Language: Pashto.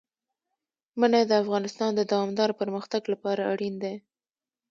منی د افغانستان د دوامداره پرمختګ لپاره اړین دي.